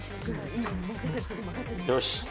よし。